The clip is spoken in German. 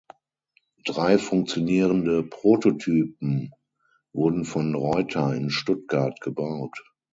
Drei funktionierende Prototypen wurden von Reutter in Stuttgart gebaut.